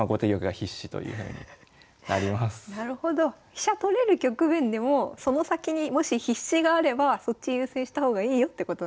飛車取れる局面でもその先にもし必至があればそっち優先した方がいいよってことなんですね。